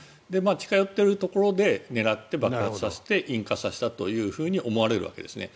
近寄っているところで狙って爆発させて、引火させたと思われるわけですね。